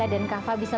ayah kamu masih tidur